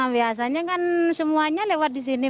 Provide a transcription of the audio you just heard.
biasanya kan semuanya lewat di sini